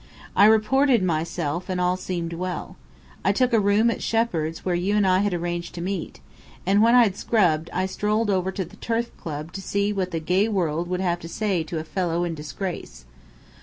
I reported myself, and all seemed well. I took a room at Shepheard's where you and I had arranged to meet, and when I'd scrubbed, I strolled over to the Turf Club to see what the gay world would have to say to a fellow in disgrace."